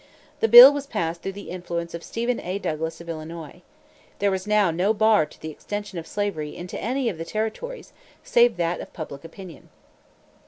The bill was passed through the influence of Stephen A. Douglas of Illinois. There was now no bar to the extension of slavery into any of the territories save that of public opinion.